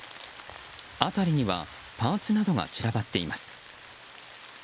辺りにはパーツなどが散らばっています。